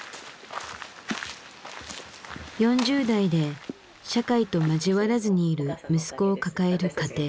４０代で社会と交わらずにいる息子を抱える家庭。